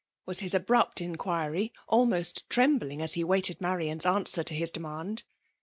'' was his abcupt inqnvyi ahnost trembling as he waited Miuiftnis answcir to his demand.